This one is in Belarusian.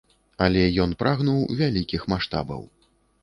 Але ён прагнуў вялікіх маштабаў.